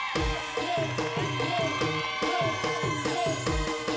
ดับไปช้านี้